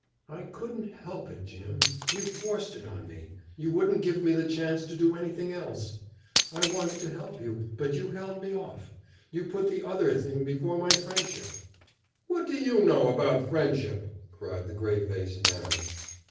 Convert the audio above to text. "I couldn't help it, Jim. You forced it on me. You wouldn't give me the chance to do anything else. I wanted to help you—but you held me off. You put the other thing before my friendship!" "What do you know about friendship?" cried the gray faced man.